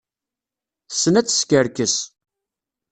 Tessen ad teskerkes.